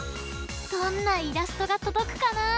どんなイラストがとどくかな！